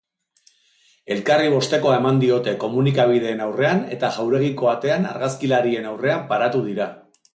Elkarri bostekoa eman diote komunikabideen aurrean eta jauregiko atean argazkilarien aurrean paratu dira.